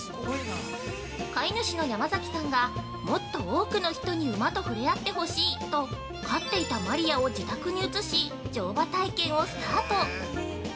飼い主の山崎さんがもっと多くの人に馬と触れ合ってほしいと飼っていたマリヤを自宅に移し乗馬体験をスタート。